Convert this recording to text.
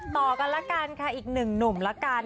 ต่อกันละกันครับอีกนิหน่อยหนุ่มละกัน